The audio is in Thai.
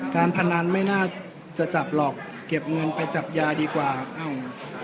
การพนันไม่น่าจะจับหรอกเก็บเงินไปจับยาดีกว่าอ้าว